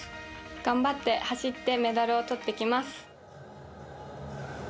頑張って走ってメダルをとってきます。